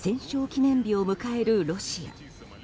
記念日を迎えるロシア。